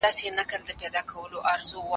زه مخکي ليکنې کړي وو.